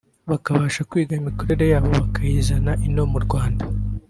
bakabasha kwiga imikorere yabo bakayizana ino mu Rwanda